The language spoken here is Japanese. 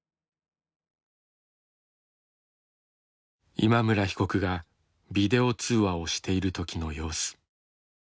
今村被告がビデオ通話をしている時の様子。